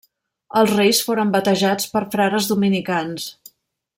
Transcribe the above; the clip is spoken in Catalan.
Els reis foren batejats per frares dominicans.